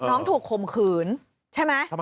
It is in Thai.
น้องถูกข่มขืนใช่ไหม